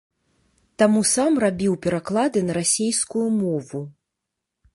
Таму сам рабіў пераклады на расейскую мову.